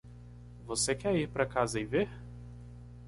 Você quer ir para casa e ver?